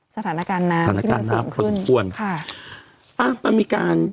สถานการณ์หน้าสถานการณ์หน้าครับคือขึ้นครับค่ะอ้ามันมีการ